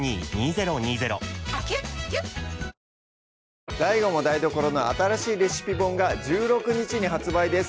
はいＤＡＩＧＯも台所の新しいレシピ本が１６日に発売です